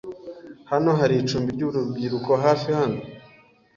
Hano hari icumbi ryurubyiruko hafi hano?